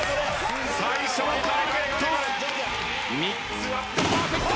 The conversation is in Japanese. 最初のターゲット３つ割ってパーフェクト。